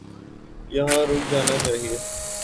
یہاں رک جانا چاہیے۔